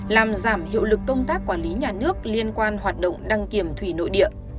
làm giảm hiệu lực công tác quản lý nhà nước liên quan hoạt động đăng kiểm thủy nội địa